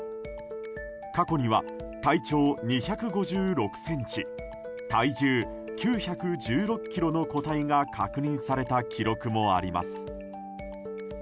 過去には体長２５６ｃｍ体重９１６ｋｇの個体が確認された記録もあります。